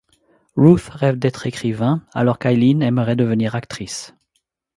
Ruth rêve d'être écrivain alors qu'Eileen aimerait devenir actrice.